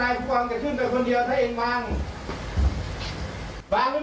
หนึ่งสองอีกจะวางไหม